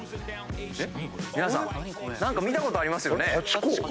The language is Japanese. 皆さん見たことありますよね？